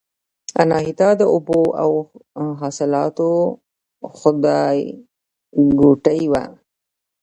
اناهیتا د اوبو او حاصلاتو خدایګوټې وه